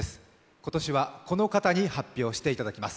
今年はこの方に発表をしていただきます。